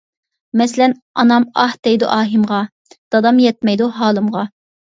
مەسىلەن: ئانام ئاھ دەيدۇ ئاھىمغا، دادام يەتمەيدۇ ھالىمغا.